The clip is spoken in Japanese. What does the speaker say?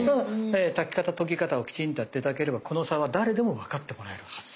炊き方とぎ方をきちんとやって頂ければこの差は誰でもわかってもらえるはず。